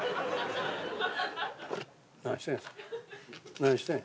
「何してんね？